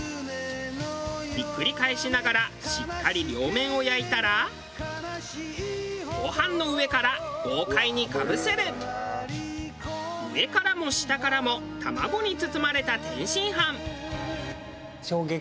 ひっくり返しながらしっかり両面を焼いたらご飯の上からも下からも卵に包まれた天津飯。